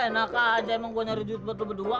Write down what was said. ya enak aja emang gue nyari duit buat lo berdua